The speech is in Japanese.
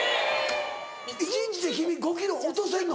１日で君５ｋｇ落とせるの？